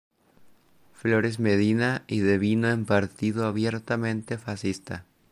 Flores Medina y devino en partido abiertamente fascista.